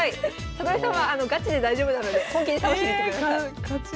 里見さんはガチで大丈夫なので本気で倒しにいってください。